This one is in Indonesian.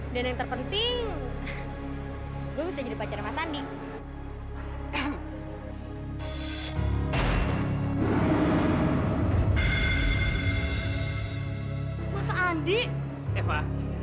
dan nanti aku akan balikin uang itu